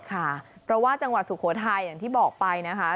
ค่ะเพราะว่าจังหวัดสุโขทัยอย่างที่บอกไปนะคะ